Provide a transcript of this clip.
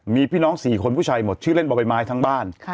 มีพี่น้อง๔คนผู้ชายหมดชื่อเล่นบ่อใบไม้ทั้งบ้าน